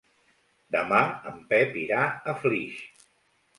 Demà en Pep irà a Flix.